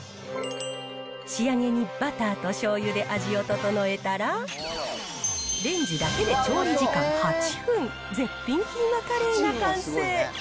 仕上げにバターとしょうゆで味を調えたら、レンジだけで調理時間８分、絶品キーマカレーが完成。